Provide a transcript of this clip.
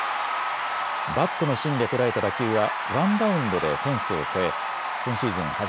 バットの芯で捉えた打球はワンバウンドでフェンスを越え今シーズン